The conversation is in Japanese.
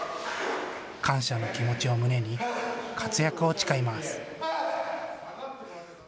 感謝の気持ちを胸に活躍を誓います。